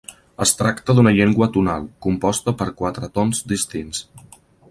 Es tracta d'una llengua tonal, composta per quatre tons distints.